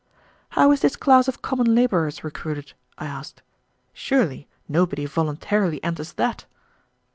"How is this class of common laborers recruited?" I asked. "Surely nobody voluntarily enters that."